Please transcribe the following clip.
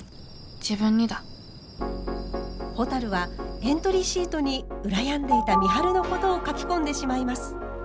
自分にだほたるはエントリーシートに羨んでいた美晴のことを書き込んでしまいます。